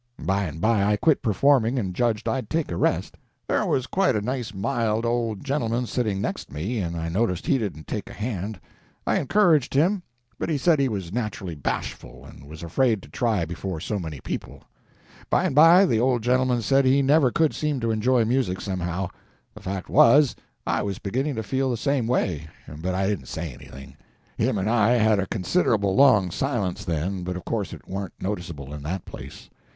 By and by I quit performing, and judged I'd take a rest. There was quite a nice mild old gentleman sitting next me, and I noticed he didn't take a hand; I encouraged him, but he said he was naturally bashful, and was afraid to try before so many people. By and by the old gentleman said he never could seem to enjoy music somehow. The fact was, I was beginning to feel the same way; but I didn't say anything. Him and I had a considerable long silence, then, but of course it warn't noticeable in that place.